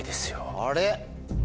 あれ？